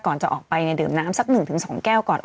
ก่อนจะออกไปดื่มน้ำสัก๑๒แก้วก่อน